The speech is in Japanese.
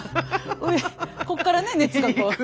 上こっからね熱がこう。